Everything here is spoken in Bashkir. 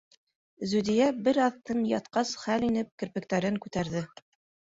Зүдиә, бер аҙ тын ятҡас, хәл инеп, керпектәрен күтәрҙе.